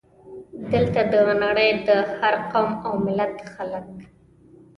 دلته د نړۍ د هر قوم او ملت خلک.